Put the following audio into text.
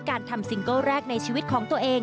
การทำซิงเกิลแรกในชีวิตของตัวเอง